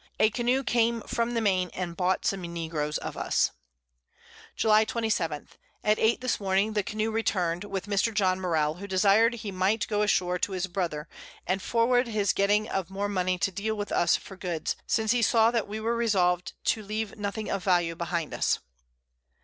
A Canoe came from the Main, and bought some Negroes of us. July 27. At 8 this Morning, the Canoe return'd, with Mr. John Morell, who desir'd he might go ashore to his Brother, and forward his getting of more Money to deal with us for Goods, since he saw that we were resolved to leave nothing of Value behind us.